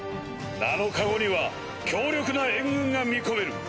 ７日後には強力な援軍が見込める！